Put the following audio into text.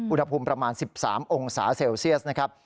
อุณหภูมิประมาณ๑๓องศาเซลเซียสนะครับ